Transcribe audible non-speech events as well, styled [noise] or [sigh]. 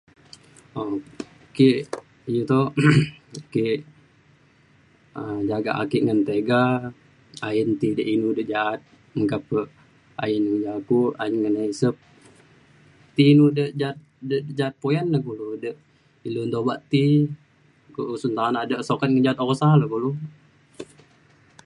ake ji toh [noise] ake um jagak ake ngan tiga ayen ti de inu de ja’at. meka pe ayen jako ayen nisep ti inu de ja’at de ja’at puyan ne kulu de ilu nta obak ti ku usun tanak de sukan ja’at usa le kulu